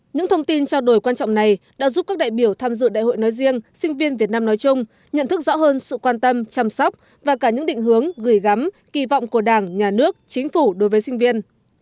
những thông tin trao đổi quan trọng này đã giúp các đại biểu tham dự đại hội nói riêng sinh viên việt nam nói chung nhận thức rõ hơn sự quan tâm chăm sóc và cả những định hướng gửi gắm kỳ vọng của đảng nhà nước chính phủ đối với sinh viên